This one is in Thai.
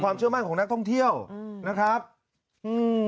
เชื่อมั่นของนักท่องเที่ยวอืมนะครับอืม